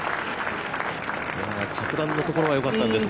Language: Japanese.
着弾のところがよかったんですが。